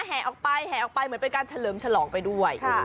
แห่ออกไปเหมือนเป็นการเฉลิมฉลองไปด้วย